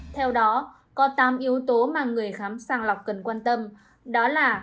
theo đó có tám yếu tố mà người khám sàng lọc cần quan tâm đó là